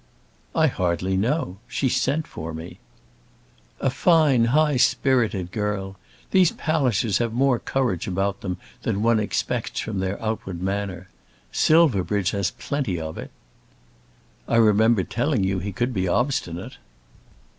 "I hardly know. She sent for me." "A fine high spirited girl. These Pallisers have more courage about them than one expects from their outward manner. Silverbridge has plenty of it." "I remember telling you he could be obstinate."